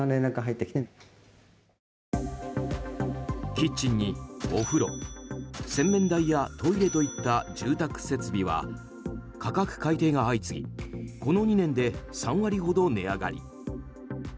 キッチンに、お風呂、洗面台やトイレといった住宅設備は価格改定が相次ぎこの２年で３割ほど値上がり。